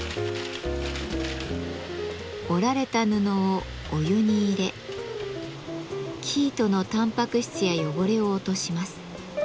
織られた布をお湯に入れ生糸のたんぱく質や汚れを落とします。